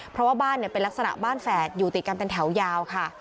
เพราะว่าบ้านเป็นลักษณะบ้านแฝดอยู่ติดกันเป็นแถวยาวค่ะ